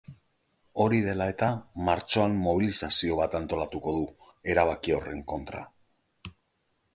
Hori dela eta, martxoan mobilizazio bat antolatuko du, erabaki horren kontra.